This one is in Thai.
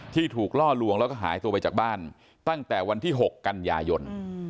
ที่ถูกล่อลวงแล้วก็หายตัวไปจากบ้านตั้งแต่วันที่๖กันยายน